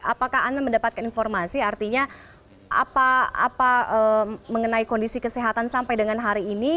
apakah anda mendapatkan informasi artinya apa mengenai kondisi kesehatan sampai dengan hari ini